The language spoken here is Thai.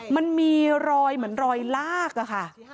มันมีรอยเหมือนรอยลากอะค่ะ